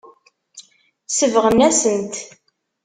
Sebɣen-asen-t.